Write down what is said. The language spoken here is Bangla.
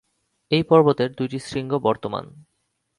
এই পর্বতের দুইটি শৃঙ্গ বর্তমান।